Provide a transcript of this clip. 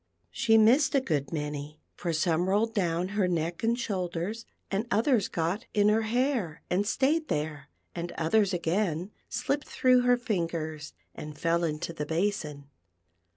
She missed a good many, for some rolled down her neck and shoulders, and others got in her hair and stayed there ; and others, again, slipped through her fingers and fell into the basin.